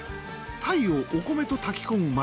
鯛をお米と炊き込む